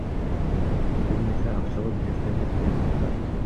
Көбүнесе акчалуу бизнесмендер келип атат.